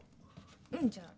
うんじゃあ。